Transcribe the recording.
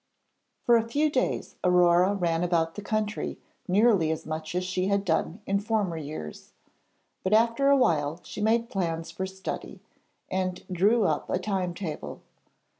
For a few days Aurore ran about the country nearly as much as she had done in former years, but after a while she made plans for study, and drew up a time table.